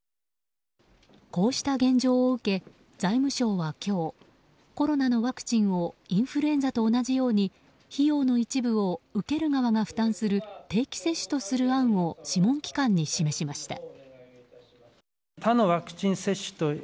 こうした現状を受け財務省は今日コロナのワクチンをインフルエンザと同じように費用の一部を受ける側が負担する定期接種とする案を諮問機関に示しました。